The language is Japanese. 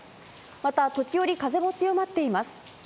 また、時折風も強まっています。